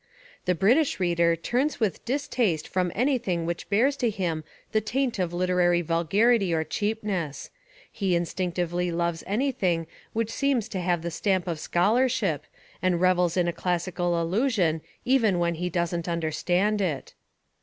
The British reader turns with distaste from anything which bears to him the taint of liter ary vulgarity or cheapness; he Instinctively loves anything which seems to have the stamp of scholarship and revels in a classical allusion even when he doesn't understand it.